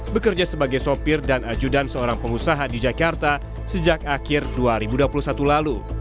bekerja sebagai sopir dan ajudan seorang pengusaha di jakarta sejak akhir dua ribu dua puluh satu lalu